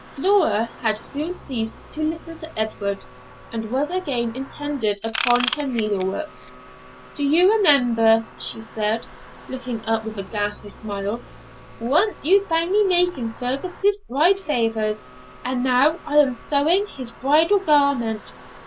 Flora had soon ceased to listen to Edward, and was again intent upon her needlework. 'Do you remember,' she said, looking up with a ghastly smile, 'you once found me making Fergus's bride favours, and now I am sewing his bridal garment.